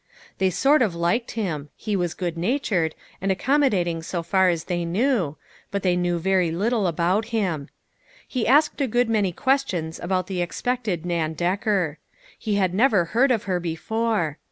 They sort of liked him ; he was good natured, and ac commodating so far as they knew, but they knew very little about him. He asked a good many questions about the expected Nan Decker. He had never heard of her before.